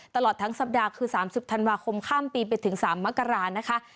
ตลอดทั้งสัปดาห์คือ๓๐ธันวาคมข้ามปีไปถึง๓มกรานะคะ